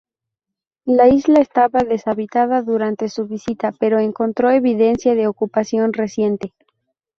La isla estaba deshabitada durante su visita, pero encontró evidencia de ocupación reciente.